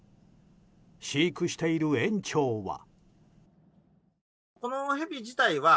飼育している園長は。